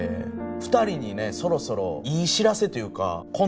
２人にねそろそろいい知らせというか。